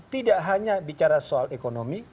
tidak hanya bicara soal ekonomi